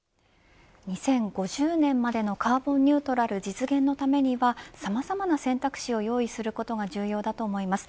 ２０５０年までのカーボンニュートラル実現のためにはさまざまな選択肢を用意することが重要だと思います。